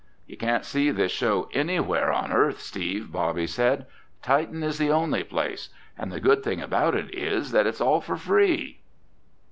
"You can't see this show anywhere on Earth, Steve," Bobby said. "Titan is the only place. And the good thing about it is that it's all for free!"